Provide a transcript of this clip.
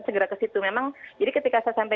segera ke situ memang jadi ketika saya sampai